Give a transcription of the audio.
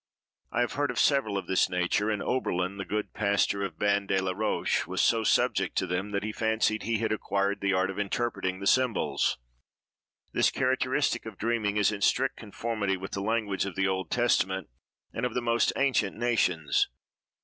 I have heard of several of this nature, and Oberlin, the good pastor of Ban de la Roche, was so subject to them, that he fancied he had acquired the art of interpreting the symbols. This characteristic of dreaming is in strict conformity with the language of the Old Testament, and of the most ancient nations.